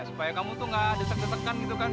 supaya kamu tuh nggak detek detekan gitu kan